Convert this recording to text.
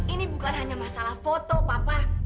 ini bukan hanya masalah foto papa